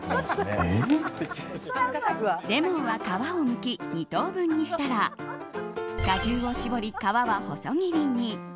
レモンは皮をむき２等分にしたら果汁を搾り、皮は細切りに。